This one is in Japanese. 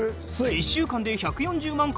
１週間で１４０万回再生。